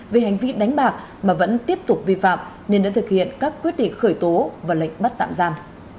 về hành vi đánh bạc mà vẫn tiếp tục vi phạm nên đã thực hiện các quyết định khởi tố và lệnh bắt tạm giam